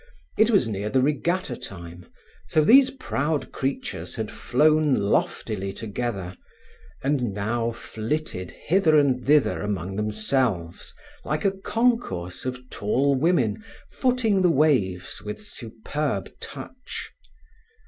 It was near the regatta time, so these proud creatures had flown loftily together, and now flitted hither and thither among themselves, like a concourse of tall women, footing the waves with superb touch.